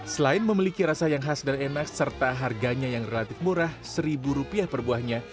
selain memiliki rasa yang khas dan enak serta harganya yang relatif murah rp satu per buahnya